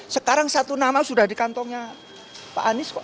sekarang satu nama sudah di kantongnya pak anies kok